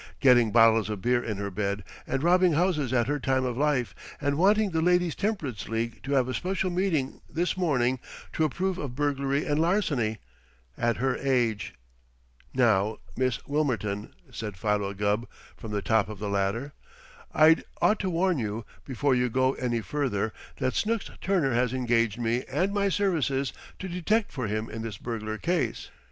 "Getting bottles of beer in her bed, and robbing houses at her time of life, and wanting the Ladies' Temperance League to have a special meeting this morning to approve of burglary and larceny! At her age!" "Now, Miss Wilmerton," said Philo Gubb, from the top of the ladder, "I'd ought to warn you, before you go any farther, that Snooks Turner has engaged me and my services to detect for him in this burglar case.